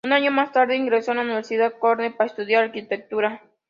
Un año más tarde ingresó en la Universidad Cornell para estudiar arquitectura.